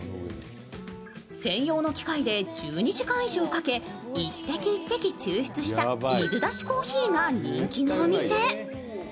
専用の機械で１２時間以上かけ１滴１滴抽出した水出しコーヒーが人気のお店。